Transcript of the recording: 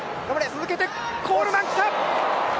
続けてコールマン来た。